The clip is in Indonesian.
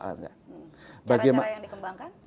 cara cara yang dikembangkan